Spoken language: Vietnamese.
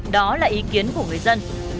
đó là ý kiến của người dân